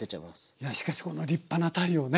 いやしかしこの立派な鯛をね。